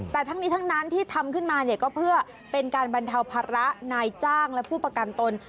แต่ทั้งนี้ทั้งนั้นที่ทำขึ้นมาเนี่ยก็เพื่อเป็นการบรรเทาภาระนายจ้างและผู้ประกันตน